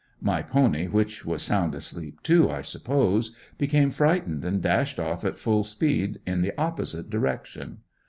My pony which was sound asleep too, I suppose, became frightened and dashed off at full speed in the opposite direction.